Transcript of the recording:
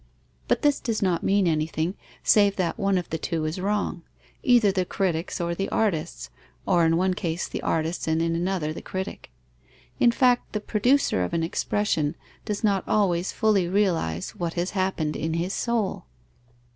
But this does not mean anything, save that one of the two is wrong: either the critics or the artists, or in one case the artist and in another the critic. In fact, the producer of an expression does not always fully realize what has happened in his soul.